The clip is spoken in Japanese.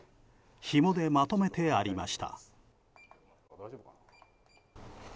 ひもでまとめてありました。